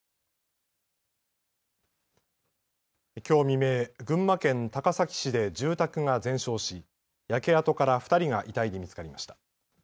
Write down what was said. きょう未明、群馬県高崎市で住宅が全焼し焼け跡から２人が遺体で見つかりました。